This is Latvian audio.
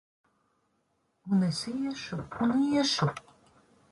Un es iešu un iešu!